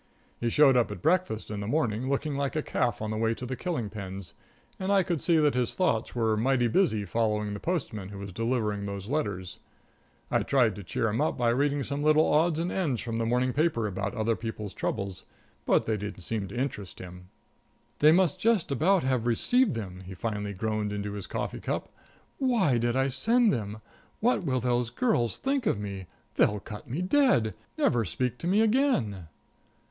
He showed up at breakfast in the morning looking like a calf on the way to the killing pens, and I could see that his thoughts were mighty busy following the postman who was delivering those letters. I tried to cheer him up by reading some little odds and ends from the morning paper about other people's troubles, but they didn't seem to interest him. "They must just about have received them," he finally groaned into his coffee cup. "Why did I send them! What will those girls think of me! They'll cut me dead never speak to me again."